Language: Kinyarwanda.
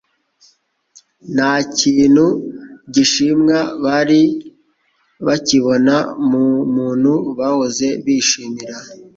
Nta kintu gishimwa bari bakibona mu muntu bahoze bishimira.